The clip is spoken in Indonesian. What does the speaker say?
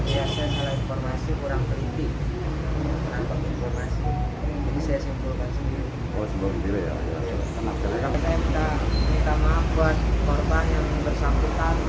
ibu ingat air usok